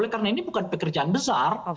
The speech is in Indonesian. karena ini bukan pekerjaan besar